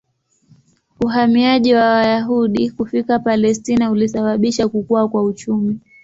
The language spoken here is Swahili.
Uhamiaji wa Wayahudi kufika Palestina ulisababisha kukua kwa uchumi.